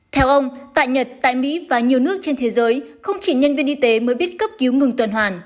theo ông tại nhật tại mỹ và nhiều nước trên thế giới không chỉ nhân viên y tế mới biết cấp cứu ngừng tuần hoàn